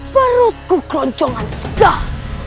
perutku keroncongan segar